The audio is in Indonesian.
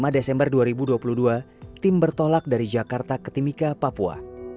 lima desember dua ribu dua puluh dua tim bertolak dari jakarta ke timika papua